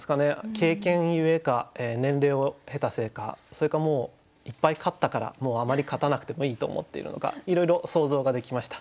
経験ゆえか年齢を経たせいかそれかもういっぱい勝ったからもうあまり勝たなくてもいいと思っているのかいろいろ想像ができました。